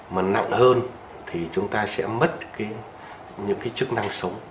mà nặng hơn thì chúng ta sẽ mất những cái chức năng sống